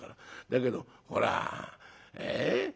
だけどほらええ？